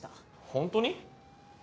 ホントに？